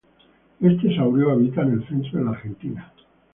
Este saurio habita en el centro de la Argentina.